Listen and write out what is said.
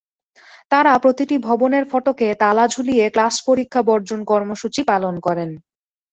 তাঁরা প্রতিটি ভবনের ফটকে তালা ঝুলিয়ে ক্লাস-পরীক্ষা বর্জন কর্মসূচি পালন করেন।